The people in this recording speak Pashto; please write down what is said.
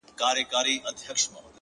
د دې لپاره چي ډېوه به یې راځي کلي ته ـ